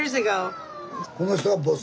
この人がボス。